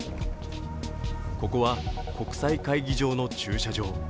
ここは国際会議場の駐車場。